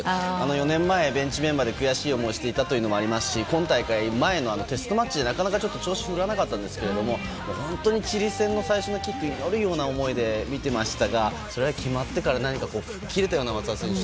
４年前、ベンチメンバーで悔しい思いをしていたというのもありますし今大会前のテストマッチでなかなか調子が振るわなかったですけれども本当にチリ戦の最初のキックを祈るような思いで見ていましたがそれが決まってから吹っ切れたような松田選手